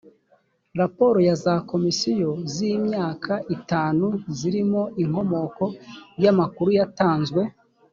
raporo ya za komisiyo z’imyaka itanu zirimo inkomoko y’amakuru yatanzwe